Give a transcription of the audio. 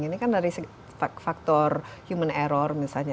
ini kan dari faktor human error misalnya